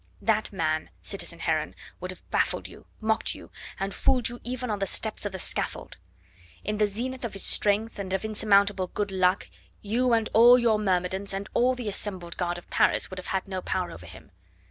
That man, citizen Heron, would have baffled you, mocked you, and fooled you even on the steps of the scaffold. In the zenith of his strength and of insurmountable good luck you and all your myrmidons and all the assembled guard of Paris would have had no power over him.